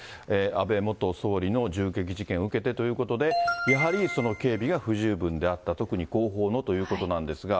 安倍元総理の銃撃事件を受けてということで、やはり警備が不十分であった、特に後方のということなんですが。